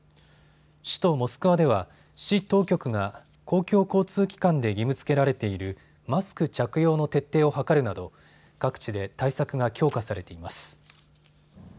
首都モスクワでは市当局が公共交通機関で義務づけられているマスク着用の徹底を図るなど各地で対策が強化されています。